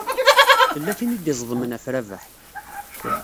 Tella tin i d-iẓeḍmen ɣef Rabaḥ.